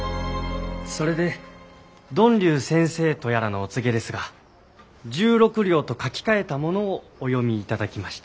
それで呑龍先生とやらのお告げですが「十六両」と書き換えたものをお読みいただきました。